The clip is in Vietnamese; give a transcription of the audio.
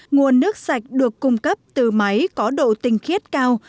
nguồn nước sạch được cung cấp từ máy có độ tinh khiết cao